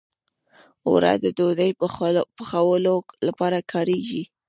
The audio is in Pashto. اوړه د ډوډۍ پخولو لپاره کارېږي